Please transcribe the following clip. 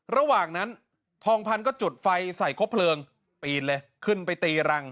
ระหว่างนั้นทองพันธุ์ก็จุดไฟใส่ครบเพลิงปีนเลยขึ้นไปตีรัง